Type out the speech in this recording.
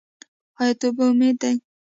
آیا توبه امید دی؟